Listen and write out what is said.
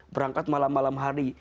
berangkat malam malam hari